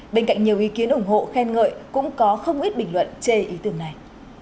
bên cạnh nhiều ý kiến ủng hộ khen ngợi cũng có không ít bình luận chê ý tưởng này